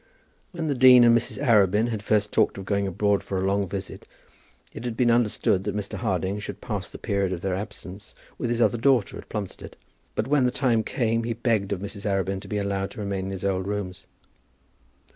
When the dean and Mrs. Arabin had first talked of going abroad for a long visit, it had been understood that Mr. Harding should pass the period of their absence with his other daughter at Plumstead; but when the time came he begged of Mrs. Arabin to be allowed to remain in his old rooms.